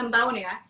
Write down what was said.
enam tahun ya